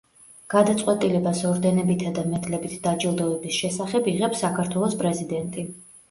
გადაწყვეტილებას ორდენებითა და მედლებით დაჯილდოების შესახებ იღებს საქართველოს პრეზიდენტი.